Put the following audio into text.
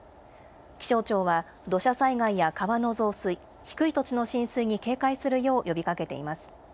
気象庁は土砂災害や川の増水、低い土地の浸水に警戒するよう呼びかけています。